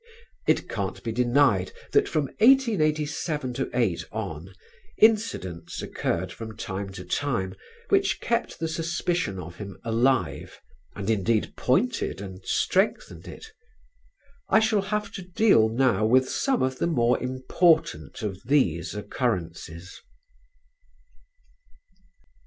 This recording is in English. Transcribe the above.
It can't be denied that from 1887 8 on, incidents occurred from time to time which kept the suspicion of him alive, and indeed pointed and strengthened it. I shall have to deal now with some of the more important of these occurrences.